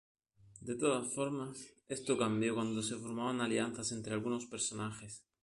De todas formas, esto cambió cuando se formaban alianzas entre algunos personajes.